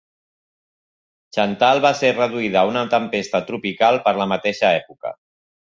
Chantal va ser reduïda a una tempesta tropical per la mateixa època.